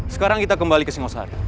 sekarang kita kembali ke singosari